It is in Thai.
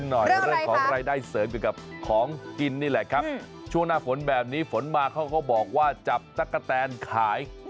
หน่อยเรื่องของรายได้เสริมเกี่ยวกับของกินนี่แหละครับช่วงหน้าฝนแบบนี้ฝนมาเขาก็บอกว่าจับตั๊กกะแตนขาย